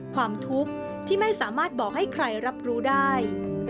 ความทุกข์ที่ไม่สามารถบอกให้ใครรับรู้ได้